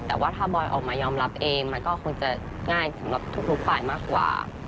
แต่ว่าถ้าบอยออกมายอมรับเองมันก็คงจะง่ายสำหรับทุกฝ่ายมากกว่า